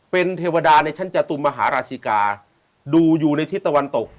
เป็นเทวดาในชั้นจตุมมหาราชิกาดูอยู่ในทิศตะวันตก